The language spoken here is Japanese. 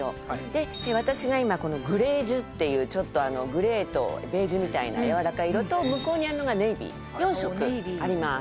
で私が今このグレージュっていうちょっとグレーとベージュみたいなやわらかい色と向こうにあるのがネイビー４色あります。